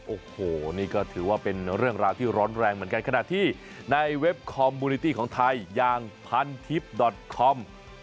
โอ้โหนี่ก็ถือว่าเป็นเรื่องราวที่ร้อนแรงเหมือนกันขณะที่ในเว็บคอมมูนิตี้ของไทยอย่างพันทิพย์ดอทคอม